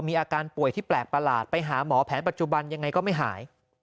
มีอาการป่วยที่แปลกประหลาดไปหาหมอแผนปัจจุบันยังไงก็ไม่หาย